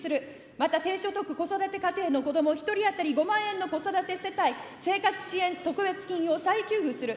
また低所得子育て家庭の子ども１人当たり５万円の子育て世帯生活支援特別金を再給付する。